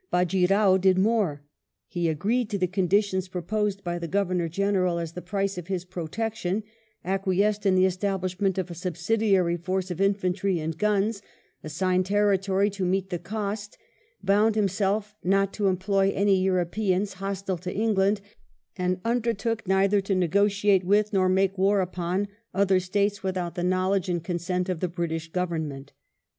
Bajee Rao did more — ^he agreed to the conditions proposed by the Governor General as the price of his protection, acquiesced in the establishment of a subsidiary force of infantry and guns, assigned territory to meet the cost, bound himself not to employ any Europeans hostile to England, and undertook neither to negotiate with, nor make war upon, other states without the knowledge and consent of the British Government.